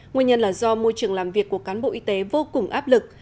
nguyên nhân là do môi trường làm việc của cán bộ y tế vô cùng áp lực